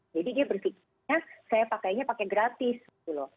jadi dia berfikir ya saya pakainya pakai gratis dulu